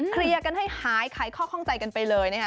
เคลียร์กันให้หายไขข้อข้องใจกันไปเลยนะคะ